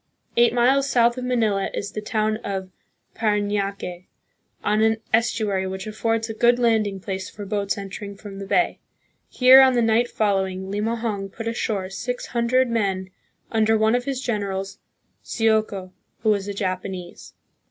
Eight miles south of Manila is the town of Paranaque, on an estuary which affords a good landing place for boats entering from the bay. Here on the night following, Limahong put ashore six hundred men, under one of his generals, Sioco, who was a Japanese.